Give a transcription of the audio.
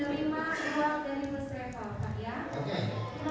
satu orang bisa melihatnya semua